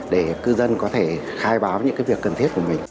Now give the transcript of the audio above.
để cư dân có thể khai báo những việc cần thiết của mình